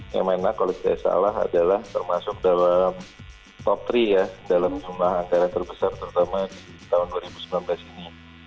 yang mana kalau tidak salah adalah termasuk dalam top tiga ya dalam jumlah anggaran terbesar terutama di tahun dua ribu sembilan belas ini